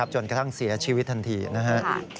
จนกระทั่งเสียชีวิตทันทีนะครับ